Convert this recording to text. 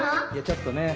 ちょっとね。